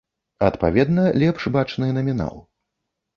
Адпаведна, лепш бачны намінал.